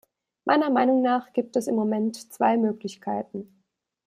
Meiner Meinung nach gibt es im Moment zwei Möglichkeiten.